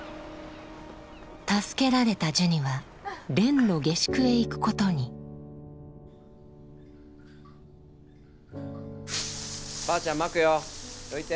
助けられたジュニは蓮の下宿へ行くことにばあちゃんまくよ。どいて。